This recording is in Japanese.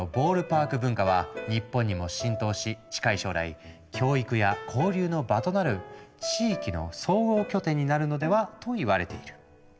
パーク文化は日本にも浸透し近い将来教育や交流の場となる地域の総合拠点になるのではといわれている。